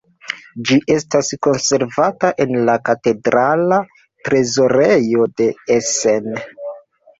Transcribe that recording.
Ĝi estas konservata en la katedrala trezorejo de Essen.